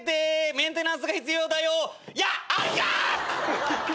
「メンテナンスが必要だよ」やあるか！